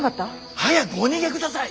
早くお逃げください！